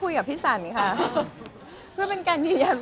ห่วงใช่ค่ะก็จะมีพี่เปิ้ลเลยค่ะคอยรับตลอดค่ะ